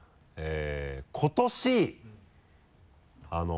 今年。